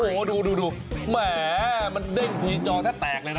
โอ้โหดูแหมมันเด้งทีจอแทบแตกเลยนะ